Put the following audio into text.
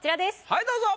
はいどうぞ。